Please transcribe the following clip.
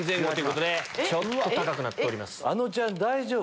あのちゃん大丈夫？